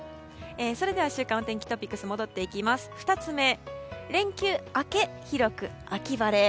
それでは、週間お天気トピックス２つ目、連休明け広く秋晴れ。